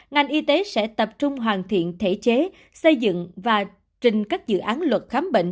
ngành y tế sẽ tập trung hoàn thiện thể chế xây dựng và trình các dự án luật khám bệnh